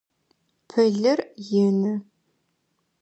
Пылыр ины.